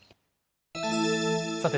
さて